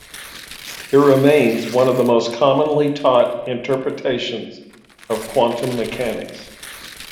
It remains one of the most commonly taught interpretations of quantum mechanics.